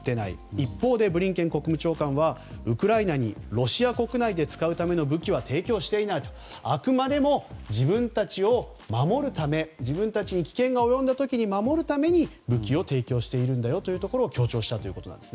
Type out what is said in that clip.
一方でブリンケン国務長官はウクライナにロシア国内で使うための武器は提供していないとあくまでも、自分たちを守るため自分たちに危険が及んだ時に守るために武器を提供しているんだよと強調したということです。